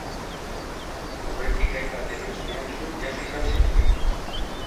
Aurretik hainbat heriotz mehatxu jaso izan zituen.